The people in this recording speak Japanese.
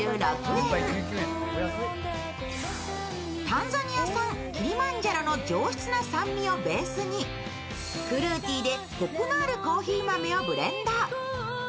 タンザニア産のキリマンジャロの上質な酸味をベースにフルーティーで、こくのあるコーヒー豆をブレンド。